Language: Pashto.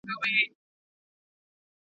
پورته والوتل پوځونه د مرغانو .